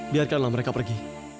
biarkanlah mereka pergi